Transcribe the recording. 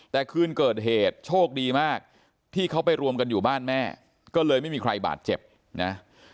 แต่คืนเกิดเหตุโชคดีมากที่เขาไปรวมกันอยู่บ้านแม่ก็เลยไม่มีใครบาดเจ็บนะ